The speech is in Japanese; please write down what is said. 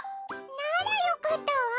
ならよかったわ。